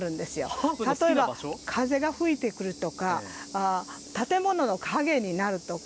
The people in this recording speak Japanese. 例えば風が吹いてくるとか建物の陰になるとか。